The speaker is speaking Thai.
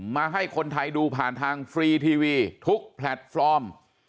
มาให้คนไทยดูผ่านทางฟรีทีวีทุกแพลตฟอร์ม